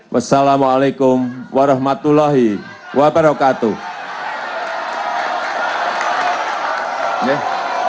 wassalamualaikum warahmatullahi wabarakatuh